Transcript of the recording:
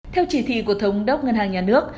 theo chỉ thị của thống đốc ngân hàng nhà nước